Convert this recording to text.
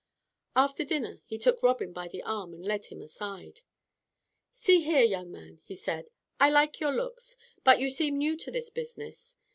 After dinner he took Robin by the arm and led him aside. "See here, young man," he said, "I like your looks. But you seem new to this business.